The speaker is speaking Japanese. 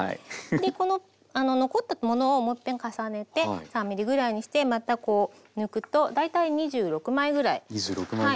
この残ったものをもういっぺん重ねて３ｍｍぐらいにしてまたこう抜くと大体２６枚ぐらい。